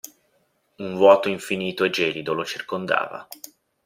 Un vuoto infinito e gelido lo circondava.